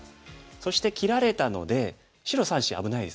そして切られたので白３子危ないですよね。